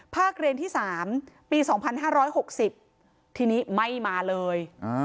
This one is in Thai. เรียนที่๓ปี๒๕๖๐ทีนี้ไม่มาเลย